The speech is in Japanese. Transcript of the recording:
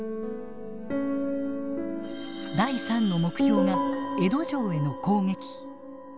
第３の目標が江戸城への攻撃。